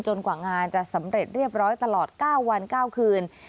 กว่างานจะสำเร็จเรียบร้อยตลอด๙วัน๙คืน